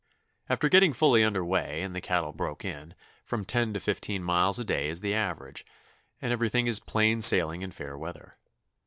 After getting fully under way, and the cattle broke in, from ten to fifteen miles a day is the average, and everything is plain sailing in fair weather.